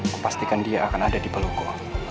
kupastikan dia akan ada di pelukku